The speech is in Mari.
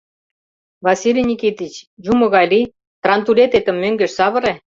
Василий Никитыч, Юмо гай лий, трантулететым мӧҥгеш савыре.